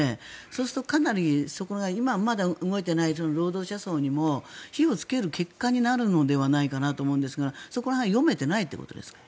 とすると、かなりそこがまだ動いていない労働者層にも火をつける結果になるのではないかなと思うんですがそこら辺は読めていないということですか？